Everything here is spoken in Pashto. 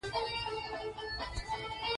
د پاچا خان لاره يې هم پرېښوده.